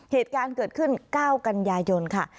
เหตุการณ์เกิดขึ้น๙กันยายนค่ะ